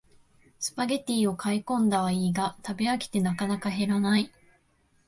スパゲティを買いこんだはいいが食べ飽きてなかなか減らない